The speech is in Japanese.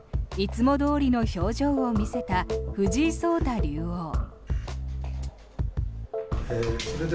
いつもどおりの表情を見せた藤井聡太竜王。